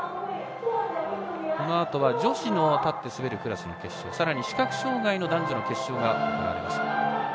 このあとは女子の立って滑るクラスの決勝さらに視覚障がいの男女の決勝が行われます。